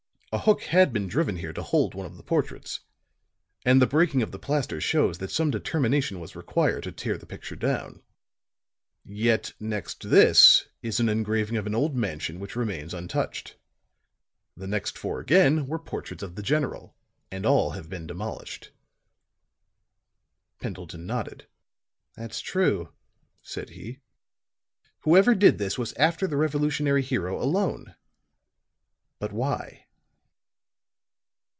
A hook had been driven here to hold one of the portraits; and the breaking of the plaster shows that some determination was required to tear the picture down. Yet next this is an engraving of an old mansion which remains untouched. The next four again were portraits of the General, and all have been demolished." Pendleton nodded. "That's true," said he. "Whoever did this was after the Revolutionary hero alone. But why?"